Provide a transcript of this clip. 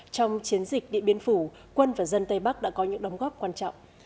trong chiến dịch điện biên phủ quân và dân tây bắc đã có những đóng góp quan trọng